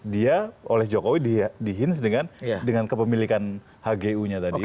dia oleh jokowi di hints dengan kepemilikan hgu nya tadi